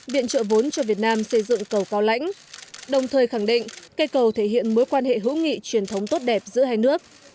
viện trợ vốn cho việt nam xây dựng cầu cao lãnh đồng thời khẳng định cây cầu thể hiện mối quan hệ hữu nghị truyền thống tốt đẹp giữa hai nước